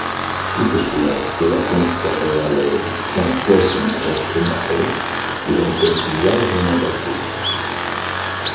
Toutefois, cela confère à l'œuvre un fort ancrage tonal qui rend celle-ci largement accessible.